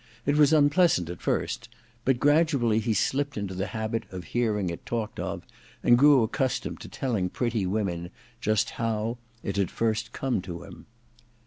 It was unpleasant at first ; but gradually he slipped into the habit of hearing it talked of, and grew accustomed to telling pretty women just how * it had first come to him.'